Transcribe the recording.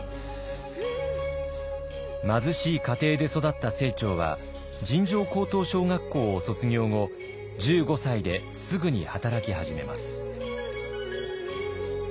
貧しい家庭で育った清張は尋常高等小学校を卒業後１５歳ですぐに働き始めます。